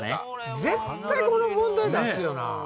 絶対この問題出すよな。